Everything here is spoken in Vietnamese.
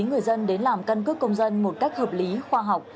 người dân đến làm căn cước công dân một cách hợp lý khoa học